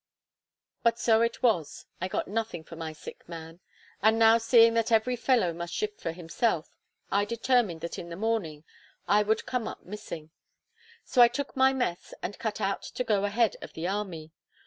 But so it was, I got nothing for my sick man. And now seeing that every fellow must shift for himself, I determined that in the morning, I would come up missing; so I took my mess and cut out to go ahead of the army.